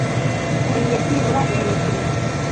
uriye byibura imineke ibiri